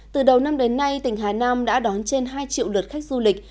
từ đầu năm đến nay tỉnh hà nam đã đón trên hai triệu lượt khách du lịch